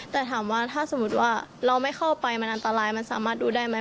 แต่ถามว่าถ้าสมมุติว่าเราไม่เข้าไปมันอันตรายมันสามารถดูได้ไหม